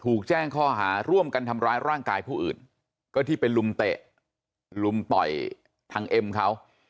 ถูกแจ้งข้อหาร่วมกันทำร้ายร่างกายผู้อื่นก็ที่ไปลุมเตะลุมต่อยทางเอ็มเขา